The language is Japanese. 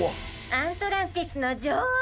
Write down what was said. アントランティスのじょおう！